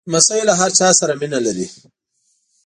لمسی له هر چا سره مینه لري.